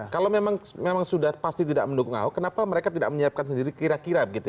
kalau memang sudah pasti tidak mendukung ahok kenapa mereka tidak menyiapkan sendiri kira kira begitu ya